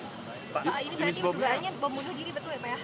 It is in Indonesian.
pak ini berarti perubahannya bom muda gini betul ya pak